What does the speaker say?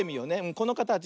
このかたち